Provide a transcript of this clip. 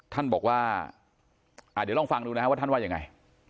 ท่านบอกว่าเดี๋ยวลองฟังดูนะครับว่าท่านว่ายังไง